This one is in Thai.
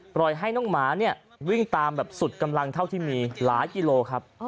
ปล่อยให้น้องหมาเนี่ยวิ่งตามแบบสุดกำลังเท่าที่มีหลายกิโลครับ